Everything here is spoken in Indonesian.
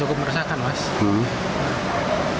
aku nggak seberapa laku